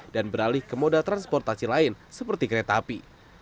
dan beralih ke modal transportasi lain seperti kereta api